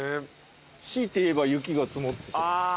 強いて言えば雪が積もって。